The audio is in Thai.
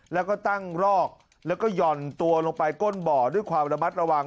แล้วก็ตั้งรอกแล้วก็หย่อนตัวลงไปก้นบ่อด้วยความระมัดระวัง